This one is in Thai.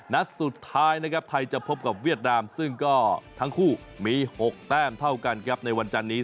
นัดสุดท้ายนะครับไทยจะพบกับเวียดนามซึ่งก็ทั้งคู่มี๖แต้มเท่ากันครับในวันจันนี้